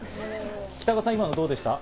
北川さん、今のどうでしたか？